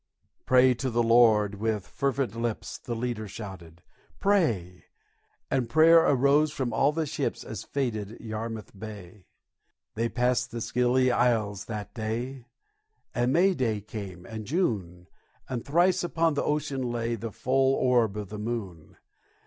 "Pray to the Lord with fervent lips," The leader shouted, "pray;" And prayer arose from all the ships As faded Yarmouth Bay. They passed the Scilly Isles that day, And May days came, and June, And thrice upon the ocean lay The full orb of the moon.